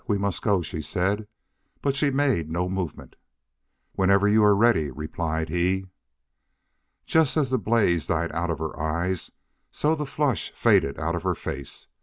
We must go," she said. But she made no movement. "Whenever you are ready," replied he. Just as the blaze had died out of her eyes, so the flush faded out of her face.